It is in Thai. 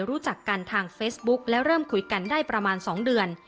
รู้จักกันทางเฟซบุ๊กและเริ่มคุยกันได้ประมาณ๒เดือน